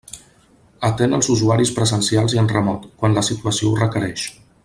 Atén els usuaris presencials i en remot, quan la situació ho requereix.